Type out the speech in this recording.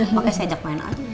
pake sejak main aja